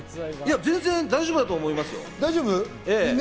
全然大丈夫だと思いますよ。